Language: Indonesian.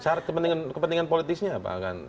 syarat kepentingan politisnya apa